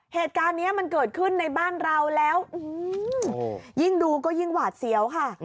เหตุการณ์นี้มันเกิดขึ้นในบ้านเราแล้วยิ่งดูก็ยิ่งหวาดเสียวค่ะ